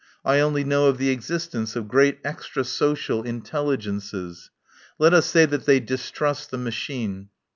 I only know of the existence of great extra social intelligences. Let us say that they distrust the machine.